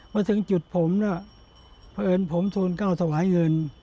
มาถึงจุดผมพอเอิญผมทูลก้าวสวายเงิน